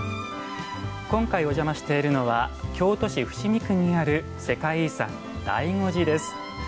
今回お邪魔しているのは京都市伏見区にある世界遺産、醍醐寺です。